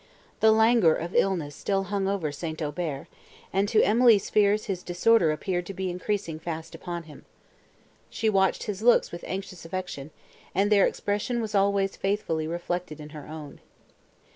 The languor of illness still hung over St. Aubert, and to Emily's fears his disorder appeared to be increasing fast upon him. She watched his looks with anxious affection, and their expression was always faithfully reflected in her own.